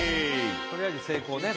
とりあえず成功ね